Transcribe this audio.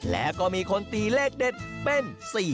แล้วก็มีคนตีเลขเด็ดเป็น๔๕